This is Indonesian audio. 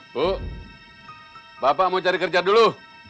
bu bapak mau cari kerja dulu